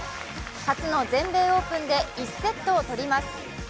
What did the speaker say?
初の全米オープンで１セットを取ります。